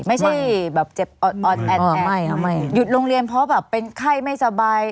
ไม่ใช่แบบเจ็บออดแอดหยุดโรงเรียนเพราะแบบเป็นไข้ไม่สบาย